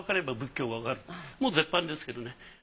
もう絶版ですけどね。